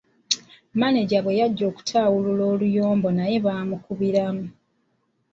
Maneja bwe yajja okutaawulula oluyombo naye baamukubiramu.